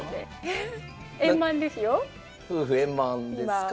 夫婦円満ですか？